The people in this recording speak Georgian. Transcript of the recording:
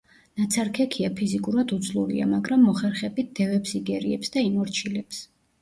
ნაცარქექია ფიზიკურად უძლურია, მაგრამ მოხერხებით დევებს იგერიებს და იმორჩილებს.